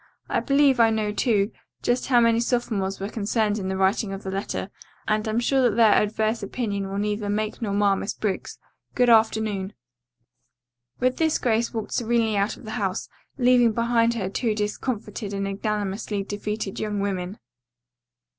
I believe I know too, just how many sophomores were concerned in the writing of the letter, and am sure that their adverse opinion will neither make nor mar Miss Briggs. Good afternoon." With this Grace walked serenely out of the house, leaving behind her two discomfited and ignominiously defeated young women.